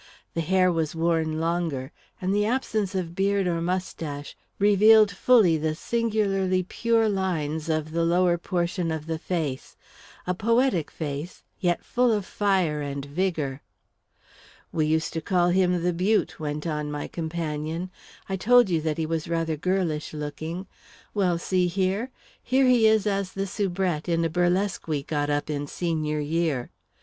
The hair was worn longer and the absence of beard or moustache revealed fully the singularly pure lines of the lower portion of the face a poetic face, yet full of fire and vigour. "We used to call him 'The Beaut.'," went on my companion. "I told you that he was rather girlish looking. Well, see here here he is as the soubrette, in a burlesque we got up in senior year."